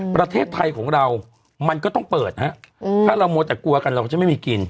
ประเทศไทยของเรามันก็ต้องเปิดฮะถ้าเรามัวแต่กลัวกันเราจะไม่มีกิน